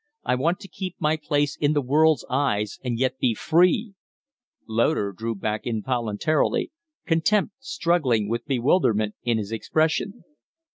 I want to keep my place in the world's eyes and yet be free " Loder drew back involuntarily, contempt struggling with bewilderment in his expression.